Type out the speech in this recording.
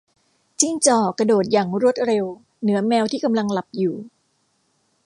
จิ้งจอก กระโดดอย่างรวดเร็ว เหนือแมวที่กำลังหลับอยู่